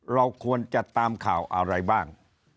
เราควรจะตามข่าวอะไรบ้าง